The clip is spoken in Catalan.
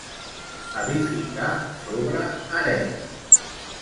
Edificar sobre arena.